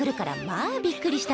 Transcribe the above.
あっびっくりした？